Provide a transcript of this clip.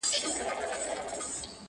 پروت په سترګو کي مي رنګ رنګ د نسو دی,